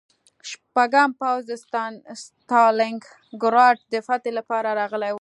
شپږم پوځ د ستالینګراډ د فتحې لپاره راغلی و